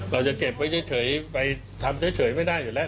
เราจะเก็บไว้เฉยไปทำเฉยไม่ได้อยู่แล้ว